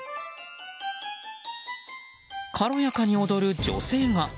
軽やかに踊る女性が。